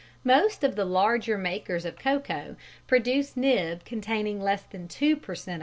Most of the larger makers of cocoa produce nib containing less than two per cent.